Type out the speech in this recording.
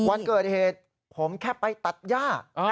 วันเกิดเหตุผมแค่ไปตัดย่า